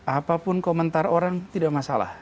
apapun komentar orang tidak masalah